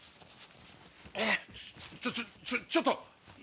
ちょちょちょっと！